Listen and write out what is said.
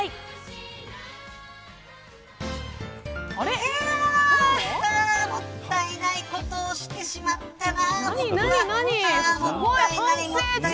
いやあ、もったいないことをしてしまったな。